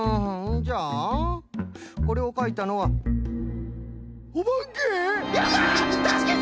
じゃあこれをかいたのはおばけ！？